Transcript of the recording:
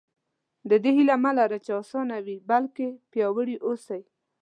د دې هیله مه لره چې اسانه وي بلکې پیاوړي اوسئ.